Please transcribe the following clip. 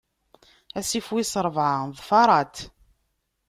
Asif wis ṛebɛa d Faṛat.